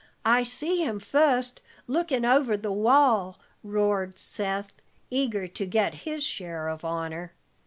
"I see him fust lookin' over the wall," roared Seth, eager to get his share of honor.